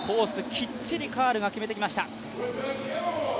きっちりカールが決めてきました。